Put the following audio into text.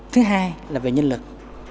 thứ hai là về nhân lực